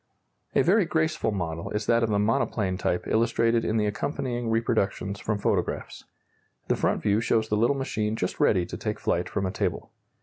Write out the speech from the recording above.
A very graceful model is that of the monoplane type illustrated in the accompanying reproductions from photographs. The front view shows the little machine just ready to take flight from a table.